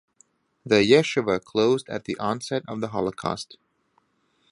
The yeshiva closed at the onset of the Holocaust.